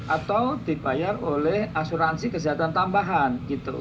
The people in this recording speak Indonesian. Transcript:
atau dibayar oleh asuransi kesehatan tambahan gitu